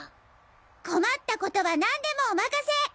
困ったことは何でもおまかせ！